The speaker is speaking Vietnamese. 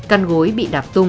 căn gối bị đạp tung